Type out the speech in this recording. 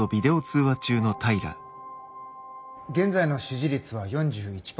現在の支持率は４１％。